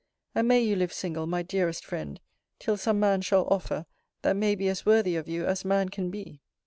And may you live single, my dearest friend, till some man shall offer, that may be as worthy of you, as man can be!